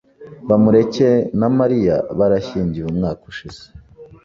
Bamureke na Mariya barashyingiwe umwaka ushize.